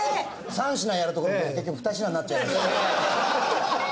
３品やるところが結局２品になっちゃいましたね。